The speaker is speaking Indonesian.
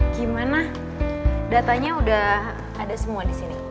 gimana datanya udah ada semua disini